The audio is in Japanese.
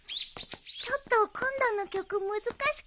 ちょっと今度の曲難しくて。